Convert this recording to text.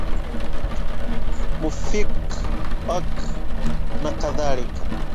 [muʃikiθi] na kadhalika